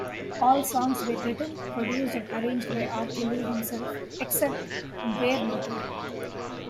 All songs were written, produced, and arranged by R. Kelly himself, except where noted.